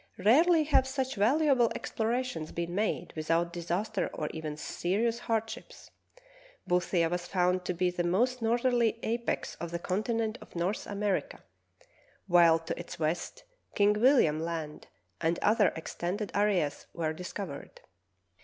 Rarely have such valuable explorations been made without disaster or even serious hardships. Boothia was found to be the most northerly apex of the continent of North America, 39 40 True Tales of Arctic Heroism while to its west King William Land and other extended areas were discovered.